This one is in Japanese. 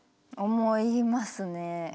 思いますね。